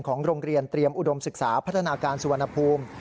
โรงเรียนเตรียมอุดมศึกษาพัฒนาการสุวรรณภูมิ